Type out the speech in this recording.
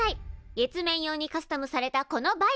月面用にカスタムされたこのバイク。